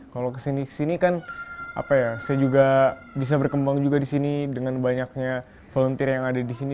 kalau kesini kesini kan apa ya saya juga bisa berkembang juga di sini dengan banyaknya volunteer yang ada di sini